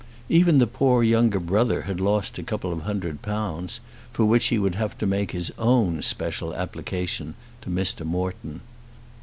Even the poor younger brother had lost a couple of hundred pounds, for which he would have to make his own special application to Mr. Morton.